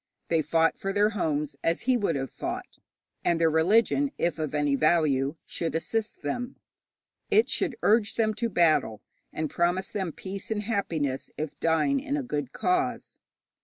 They fought for their homes, as he would have fought; and their religion, if of any value, should assist them. It should urge them to battle, and promise them peace and happiness if dying in a good cause.